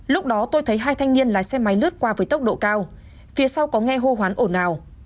lúc đó tôi thấy hai thanh niên lái xe máy lướt qua với tốc độ cao phía sau có nghe hô hoán ổn nào